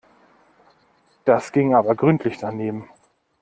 Das ging aber gründlich daneben.